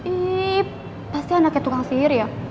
iiih pasti anaknya tukang sihir ya